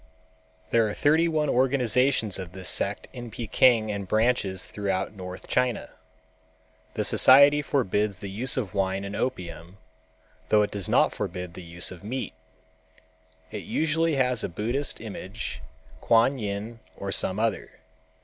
There are thirty one organizations of this sect in Peking and branches throughout North China. The society forbids the use of wine and opium, though it does not forbid the use of meat. It usually has a Buddhist image, Kuan Yin or some other.